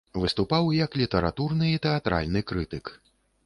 Выступаў як літаратурны і тэатральны крытык.